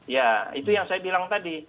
ya itu yang saya bilang tadi